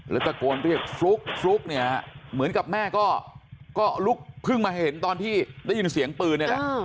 แล้วตะโกนเรียกฟลุ๊กฟลุ๊กเนี่ยเหมือนกับแม่ก็ลุกเพิ่งมาเห็นตอนที่ได้ยินเสียงปืนนี่แหละ